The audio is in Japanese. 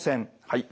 はい。